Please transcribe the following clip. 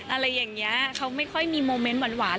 อะไรอย่างนี้เขาไม่ค่อยมีโมเมนต์หวาน